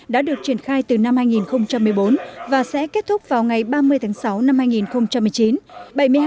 đã được triển khai từ năm hai nghìn một mươi bốn và sẽ kết thúc vào ngày ba mươi tháng sáu năm hai nghìn một mươi chín